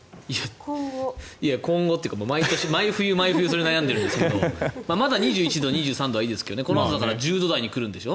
今後というか毎年、毎冬それ悩んでるんですがまだ２１度、２３度はいいですけどこのあと１０度台に来るんでしょ？